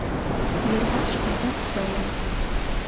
Йырваш адак тымык.